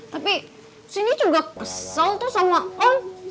tapi sini juga kesel tuh sama om